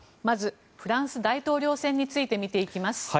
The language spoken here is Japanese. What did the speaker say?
まずフランス大統領選について見ていきます。